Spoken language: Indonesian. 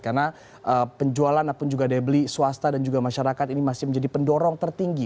karena penjualan dan juga daya beli swasta dan juga masyarakat ini masih menjadi pendorong tertinggi